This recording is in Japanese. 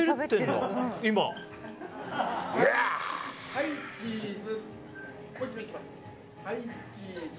はい、チーズ。